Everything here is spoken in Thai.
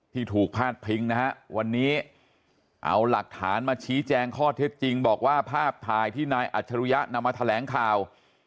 ที่ถูกพาดพิงนะฮะวันนี้เอาหลักฐานมาชี้แจงข้อเท็จจริงบอกว่าภาพถ่ายที่นายอัจฉริยะนำมาแถลงข่าว